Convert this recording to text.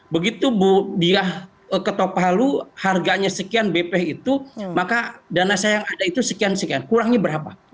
begitu dia ketopalu harganya sekian bp itu maka dana saya yang ada itu sekian sekian kurangnya berapa